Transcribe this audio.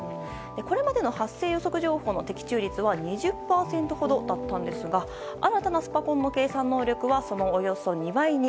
これまでの発生予測情報の的中率は２０％ほどだったんですが新しいスパコンの計算能力はそのおよそ２倍に。